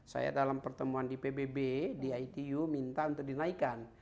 saya dalam pertemuan di pbb di itu minta untuk dinaikkan